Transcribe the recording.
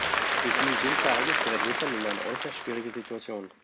Durch dieses jüngste Ereignis gerät Russland in eine äußerst schwierige Situation.